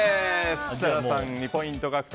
設楽さん、２ポイント獲得。